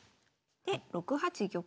で６八玉。